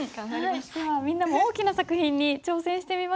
ではみんなも大きな作品に挑戦してみましょう。